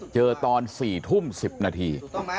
ตอน๔ทุ่ม๑๐นาที